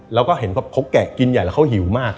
เราก็เห็นเขาแกะกินใหญ่เขาหิวมาก